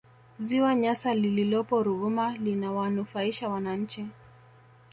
ziwa nyasa lililopo ruvuma linawanufaisha wananchi